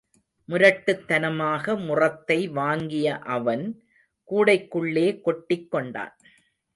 முரட்டுத் தனமாக முறத்தை வாங்கிய அவன், கூடைக்குள்ளே கொட்டிக் கொண்டான்.